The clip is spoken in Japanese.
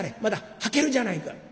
まだはけるじゃないか』